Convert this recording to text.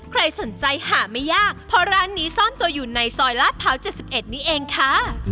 ใครสนใจหาไม่ยากเพราะร้านนี้ซ่อนตัวอยู่ในซอยลาดพร้าว๗๑นี่เองค่ะ